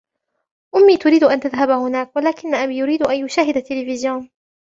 أُمي تريد أن تذهب هناك, ولكن أبي يريد أن يشاهد التليفزيون.